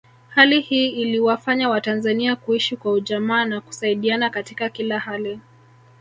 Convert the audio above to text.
Hali hii iliwafanya watanzania kuishi kwa ujamaa na kusaidiana katika kila hali